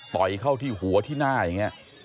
ต่อยเข้าที่หัวที่หน้าอย่างนี้